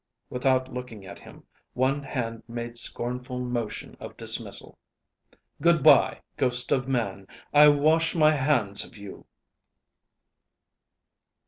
Without looking at him, one hand made scornful motion of dismissal. "Good bye, ghost of man; I wash my hands of you."